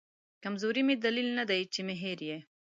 کمزوري مې دلیل ندی چې مې هېر یې